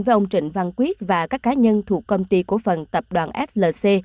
với ông trịnh văn quyết và các cá nhân thuộc công ty cổ phần tập đoàn flc